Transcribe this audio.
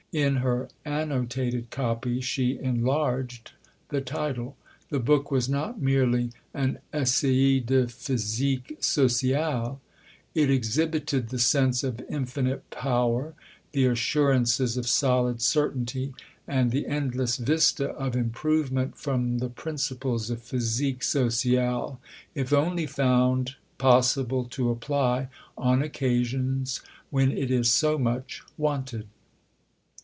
In her annotated copy she enlarged the title. The book was not merely an Essai de physique sociale. It exhibited "The sense of Infinite power, The assurances of solid Certainty, and The endless vista of Improvement from the Principles of Physique sociale, if only found possible to apply on occasions when it is so much wanted."